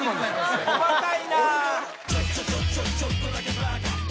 細かいな。